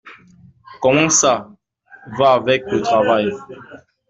Comment ça va avec le travail ?